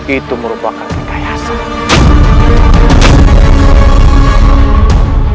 itu merupakan kekayasan